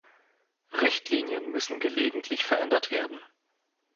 Richtlinien müssen gelegentlich verändert werden.